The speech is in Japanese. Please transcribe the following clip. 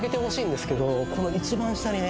この一番下にね